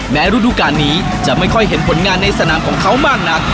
ฤดูการนี้จะไม่ค่อยเห็นผลงานในสนามของเขามากนัก